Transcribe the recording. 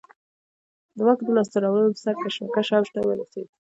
د واک د لاسته راوړلو پر سر کشمکش اوج ته ورسېد.